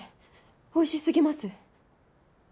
美味しすぎます。